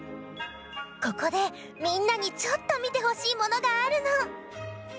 ここでみんなにちょっとみてほしいものがあるの！